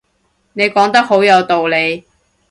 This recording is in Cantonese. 你講得好有道理